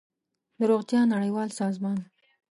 د روغتیا نړیوال سازمان